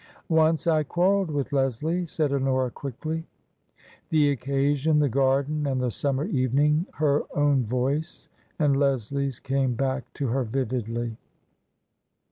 " Once I quarrelled with Leslie," said Honora, quickly. The occasion, the garden and the summer evening, her own voice and Leslie's came back to her vividly.